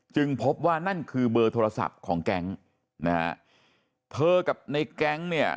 พบว่านั่นคือเบอร์โทรศัพท์ของแก๊งนะฮะเธอกับในแก๊งเนี่ย